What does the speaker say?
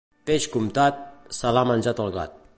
Peix comptat, se l'ha menjat el gat.